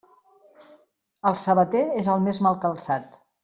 El sabater és el més mal calçat.